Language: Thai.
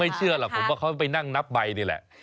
เชื่อหรอกผมว่าเขาไปนั่งนับใบนี่แหละ